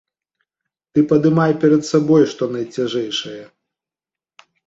Ты падымай перад сабой што найцяжэйшае.